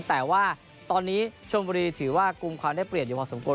แต่ว่าตอนนี้ชมบุรีถือว่ากลุ่มความได้เปรียบอยู่พอสมควร